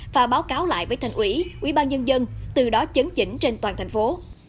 và báo cáo các cấp chính quyền về trực tự xây dựng trên địa bàn thành phố